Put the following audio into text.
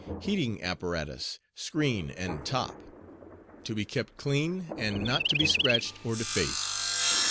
HEATING APPARATUS, SCREEN AND TOP. To be kept clean, and not to be scratched or defaced.